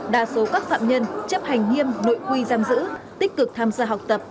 đa số các phạm nhân chấp hành nghiêm nội quy giam giữ tích cực tham gia học tập